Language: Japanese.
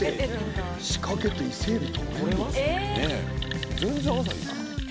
仕掛けて伊勢えび捕れる？